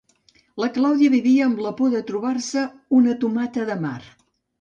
La Claudia vivia amb la por de trobar-se una tomata de mar.